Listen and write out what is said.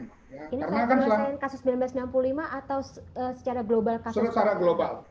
ini berdasarkan kasus seribu sembilan ratus enam puluh lima atau secara global